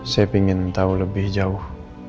saya ingin tahu lebih jauh